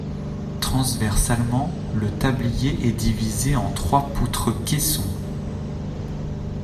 Transversalement le tablier est divisé en trois poutres-caissons.